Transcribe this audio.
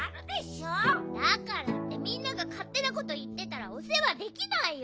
だからってみんながかってなこといってたらおせわできないよ。